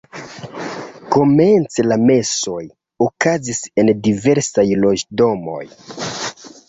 Komence la mesoj okazis en diversaj loĝdomoj.